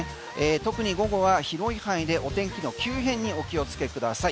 特に午後は広い範囲でお天気の急変にお気をつけください。